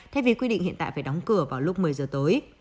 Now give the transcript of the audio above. thay vì quy định hiện tại phải đóng cửa vào lúc một mươi giờ tối